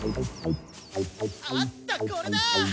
あったこれだ！